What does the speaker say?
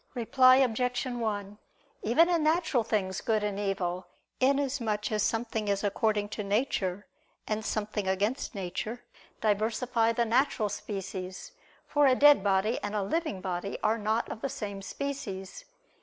Reply Obj. 1: Even in natural things, good and evil, inasmuch as something is according to nature, and something against nature, diversify the natural species; for a dead body and a living body are not of the same species.